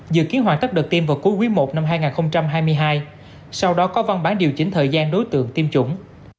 dự kiến hoàn tất đợt tiêm vào cuối quý i năm hai nghìn hai mươi hai sau đó có văn bản điều chỉnh thời gian đối tượng tiêm chủng